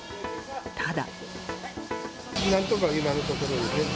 ただ。